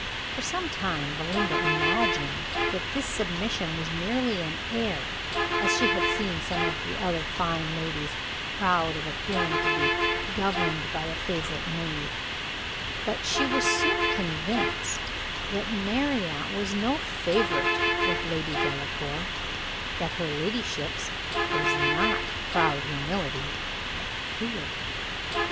For some time, Belinda imagined that this submission was merely an air, as she had seen some other fine ladies proud of appearing to be governed by a favourite maid; but she was soon convinced that Marriott was no favourite with Lady Delacour; that her ladyship's was not proud humility, but fear.